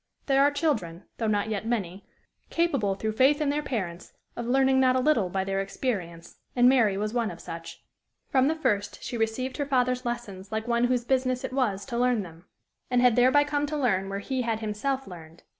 There are children, though not yet many, capable, through faith in their parents, of learning not a little by their experience, and Mary was one of such; from the first she received her father's lessons like one whose business it was to learn them, and had thereby come to learn where he had himself learned.